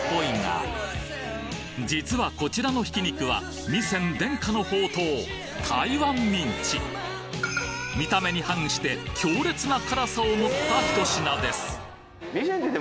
実はこちらのひき肉は味仙殿下の宝刀見た目に反して強烈な辛さを持ったひと品です